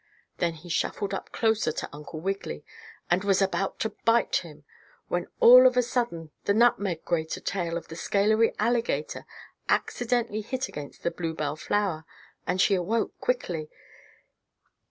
Then he shuffled up closer to Uncle Wiggily, and was about to bite him when all of a sudden the nutmeg grater tail of the scalery alligator accidentally hit against the bluebell flower, and she awoke quickly.